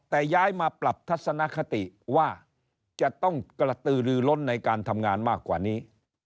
แต่ย้ายมาปรับทัศนคติว่าจะต้องกระตือลือล้นในการทำงานมากกว่านี้